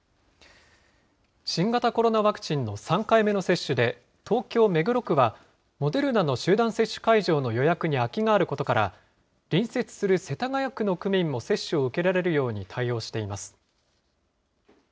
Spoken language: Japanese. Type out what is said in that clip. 新型コロナワクチンの３回目の接種で、東京・目黒区は、モデルナの集団接種会場の予約に空きがあることから、隣接する世田谷区の区民も接種を受けられるように対応しています。